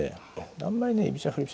あんまりね居飛車振り飛車